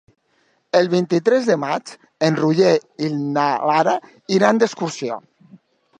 El vint-i-tres de maig en Roger i na Lara iran d'excursió.